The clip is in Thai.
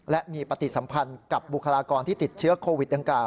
และมีปฏิสัมพันธ์กับบุคลากรที่ติดเชื้อโควิดดังกล่า